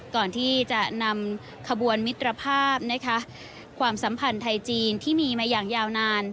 ก่อนที่จะนำขบวนมิตรภาพนะคะความสัมพันธ์ไทยจีนที่มีมาอย่างยาวนาน